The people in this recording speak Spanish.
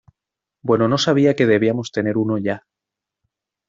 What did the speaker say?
Bueno, no sabia que debíamos tener uno ya.